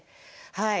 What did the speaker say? はい。